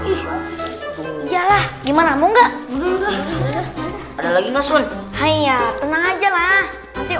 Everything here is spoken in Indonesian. iyalah gimana mau enggak ada lagi masun hai ya tenang aja lah nanti